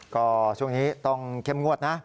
ก็ช่วงนี้ต้องเข้มงวดนะ